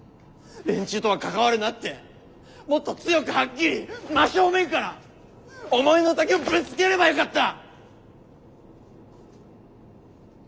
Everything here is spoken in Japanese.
連中とは関わるなってもっと強くはっきり真正面から思いの丈をぶつければよかった！